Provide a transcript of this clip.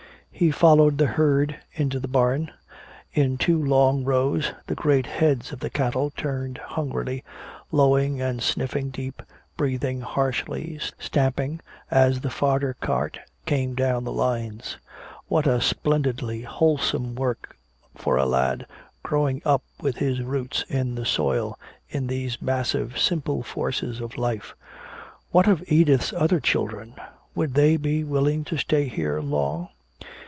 He followed the herd into the barn. In two long rows, the great heads of the cattle turned hungrily, lowing and sniffing deep, breathing harshly, stamping, as the fodder cart came down the lines. What a splendidly wholesome work for a lad, growing up with his roots in the soil, in these massive simple forces of life. What of Edith's other children? Would they be willing to stay here long?